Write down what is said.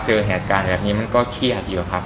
เจอเหตุการณ์แบบนี้มันก็เครียดอยู่ครับ